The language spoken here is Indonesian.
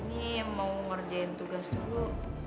ini mau ngerjain tugas dulu